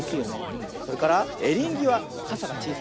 それからエリンギはカサがちいさいね。